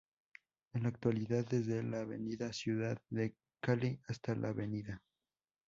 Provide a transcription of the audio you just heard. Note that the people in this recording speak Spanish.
En la actualidad, desde la Av Ciudad de Cali hasta la Av.